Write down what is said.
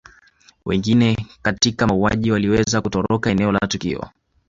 Wengine katika mauaji waliweza kutoroka eneo la tukio